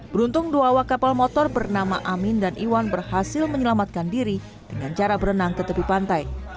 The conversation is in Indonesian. beruntung dua awak kapal motor bernama amin dan iwan berhasil menyelamatkan diri dengan cara berenang ke tepi pantai